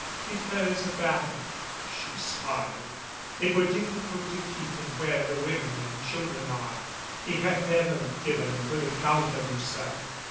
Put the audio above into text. "If there is a battle," she smiled, "it were difficult to keep him where the women and children are. He hath ever given a good account of himself."